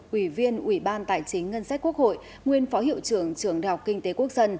ủy viên ủy ban tài chính ngân sách quốc hội nguyên phó hiệu trưởng trường đại học kinh tế quốc dân